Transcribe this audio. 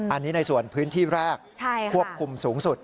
อันนี้ในส่วนพื้นที่แรกควบคุมสูงสุด